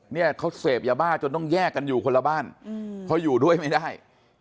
เนี่ยเขาเสพยาบ้าจนต้องแยกกันอยู่คนละบ้านเขาอยู่ด้วยไม่ได้